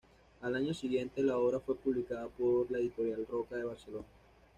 Al año siguiente la obra fue publicada por la editorial Roca de Barcelona.